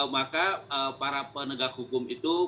maka para penegak hukum itu